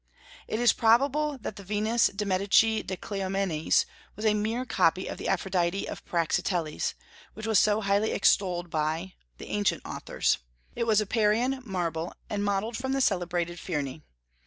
It is probable that the Venus de Medici of Cleomenes was a mere copy of the Aphrodite of Praxiteles, which was so highly extolled by, the ancient authors; it was of Parian marble, and modelled from the celebrated Phryne.